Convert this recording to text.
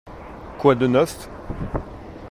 Quoi de neuf ?